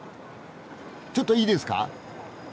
ちょっといいですか？